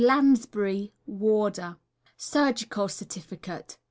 LANSBURY, Warder. SURGICAL CERTIFICATE.